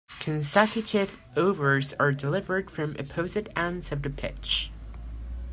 Consecutive overs are delivered from opposite ends of the pitch.